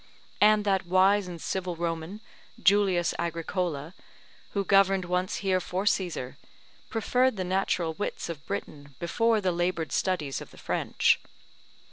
And that wise and civil Roman, Julius Agricola, who governed once here for Caesar, preferred the natural wits of Britain before the laboured studies of the French.